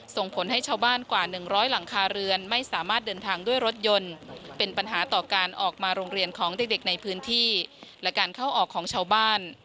ส่งผลให้ชาวบ้านกว่า๑๐๐หลังคาเรือนไม่สามารถเดินทางด้วยรถยนต์เป็นปัญหาต่อการออกมาโรงเรียนของเด็กในพื้นที่และการเข้าออกของชาวบ้าน